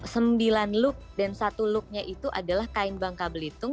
sembilan look dan satu looknya itu adalah kain bangka belitung